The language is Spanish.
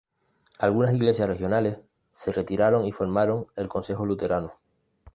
Algunas iglesias regionales se retiraron y formaron el Consejo Luterano.